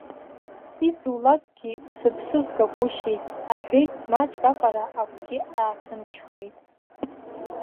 Изулакгьы сыԥсы згагәышьеит аҳәеит, маҷк аҟара агәгьы ааҭынчхеит.